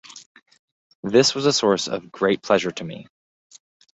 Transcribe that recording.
This was a source of great pleasure to me.